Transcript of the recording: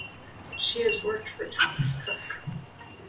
She has worked for Thomas Cook.